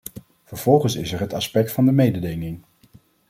Vervolgens is er het aspect van de mededinging.